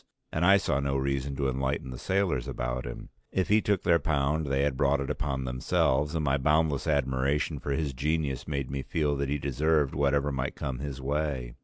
And I saw no reason to enlighten the sailors about him; if he took their pound they had brought it upon themselves, and my boundless admiration for his genius made me feel that he deserved whatever might come his way.